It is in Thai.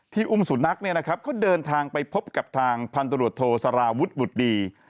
อุ้มสุนัขเนี่ยนะครับเขาเดินทางไปพบกับทางพันตรวจโทสาราวุฒิบุตรดี